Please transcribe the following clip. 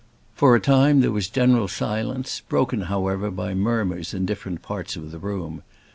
For a time there was general silence, broken, however, by murmurs in different parts of the room.